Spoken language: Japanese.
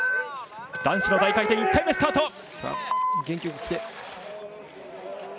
男子の大回転１回目、スタート。